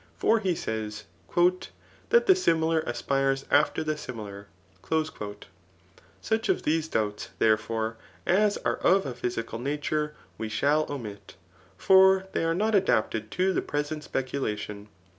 For he says, ^^ that the similar aspires after the similar/' Such of these doubts, therefore, as are of a physical nature we shall omit ; for they are not adapted to the present speculation.